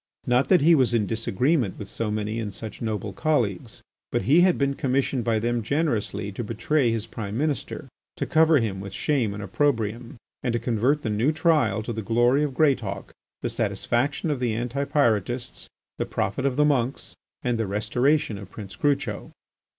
Not that he was in disagreement with so many and such noble colleagues, but he had been commissioned by them generously to betray his Prime Minister, to cover him with shame and opprobrium, and to convert the new trial to the glory of Greatauk, the satisfaction of the Anti Pyrotists, the profit of the monks, and the restoration of Prince Crucho.